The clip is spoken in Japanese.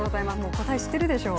答え知ってるでしょう？